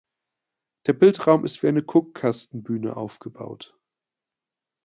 Der Bildraum ist wie ein Guckkastenbühne aufgebaut.